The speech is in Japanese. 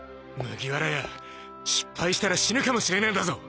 麦わら屋失敗したら死ぬかもしれねえんだぞ！